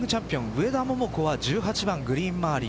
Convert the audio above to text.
上田桃子は１８番グリーン周り